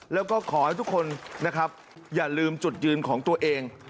แล้วก็ขอให้ทุกคนนะครับอย่าลืมจุดยืนของตัวเอง